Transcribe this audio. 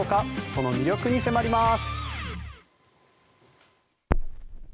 その魅力に迫ります。